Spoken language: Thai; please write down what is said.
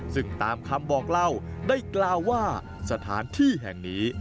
ซึ่งตามคำบอกเล่าได้กล่าวว่าสถานที่แห่งนี้